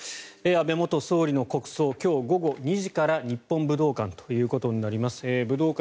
安倍元総理の国葬今日午後２時から日本武道館ということになります。